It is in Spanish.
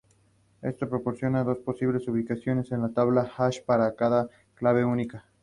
Ambas ciudades están separadas entre ellas por una falla.